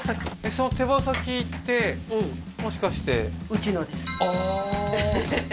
その手羽先ってもしかしてうちのですああーふふ